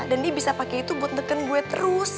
dan dia bisa pake itu buat neken gue terus